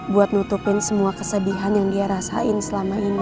buat nutupin semua kesedihan yang dia rasain selama ini